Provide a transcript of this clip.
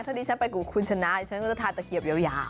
ถ้าดิฉันไปกับคุณชนะฉันก็จะทานตะเกียบยาว